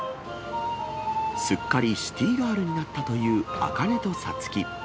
すっかりシティーガールになったというあかねとさつき。